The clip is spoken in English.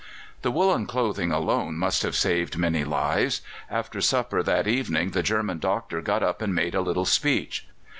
The woollen clothing alone must have saved many lives. After supper that evening the German doctor got up and made a little speech.